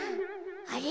あれ？